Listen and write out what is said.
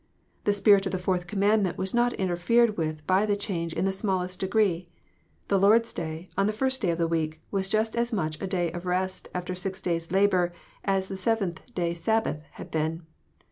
The spirit of the Fourth Commandment was not interfered with by the change in the smallest degree : the Lord s Day, on the first day of the week, was just as much a day of rest after six days labour, as the seventh day Sabbath had been.